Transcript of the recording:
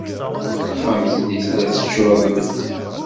Taxxamt-nni tella teččuṛ d medden.